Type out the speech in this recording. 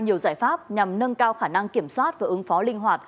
nhiều giải pháp nhằm nâng cao khả năng kiểm soát và ứng phó linh hoạt